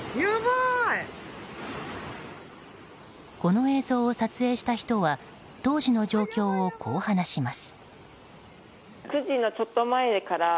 この映像を撮影した人は当時の状況をこう話します。